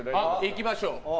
いきましょう。